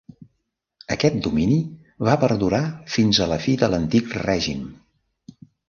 Aquest domini va perdurar fins a la fi de l'Antic Règim.